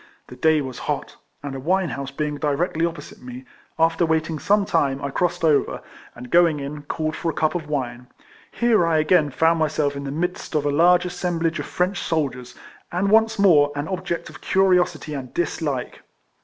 The day was hot, and a wine house being directly opposite me, after waiting some time, I crossed over, and, going in, called for a cup of wine. Here I again found myself in the midst of a large assemblage of French soldiers, and once more an object of curiosity and dis like.